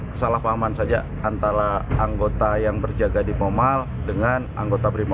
kesalahpahaman saja antara anggota yang berjaga di pemal dengan anggota brimo